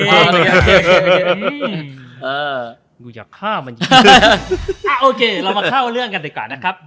โอเคเรามาเข้าเรื่องอันนี้ก่อนนะครับ